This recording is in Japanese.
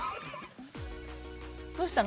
どうしたの？